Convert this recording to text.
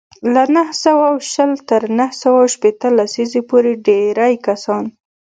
له نهه سوه شل تر نهه سوه شپېته لسیزې پورې ډېری کسان